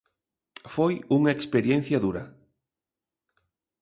Foi unha experiencia dura.